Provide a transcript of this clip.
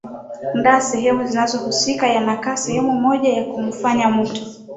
nda sehemu zinazohusika yanakaa sehemu moja na kumufanya mtu